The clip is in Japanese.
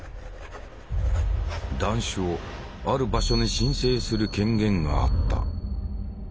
断種をある場所に申請する権限があった。